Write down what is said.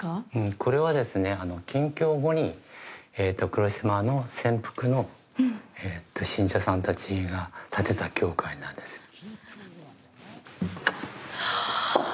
これはですね、禁教後に黒島の潜伏の信者さんたちが建てた教会なんですよね。